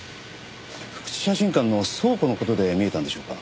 福地写真館の倉庫の事で見えたんでしょうか？